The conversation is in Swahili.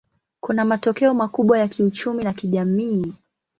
Kuna matokeo makubwa ya kiuchumi na kijamii.